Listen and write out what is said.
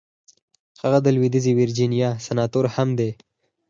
هغه د لويديځې ويرجينيا سناتور هم دی.